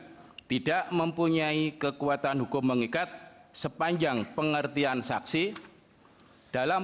nomor tiga ribu dua ratus sembilan tidak mempunyai kekuatan hukum mengikat sepanjang pengertian saksi dalam